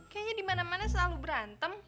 kayaknya dimana mana selalu berantem